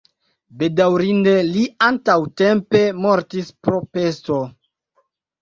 Bedaŭrinde li antaŭtempe mortis pro pesto.